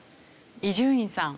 伊集院さん。